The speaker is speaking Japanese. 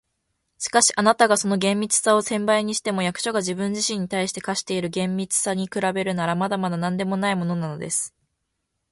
「しかし、あなたがその厳密さを千倍にしても、役所が自分自身に対して課している厳密さに比べるなら、まだまだなんでもないものです。